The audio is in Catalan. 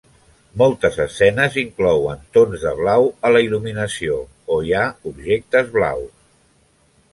Moltes escenes inclouen tons de blau a la il·luminació o hi ha objectes blaus.